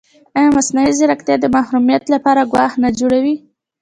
ایا مصنوعي ځیرکتیا د محرمیت لپاره ګواښ نه جوړوي؟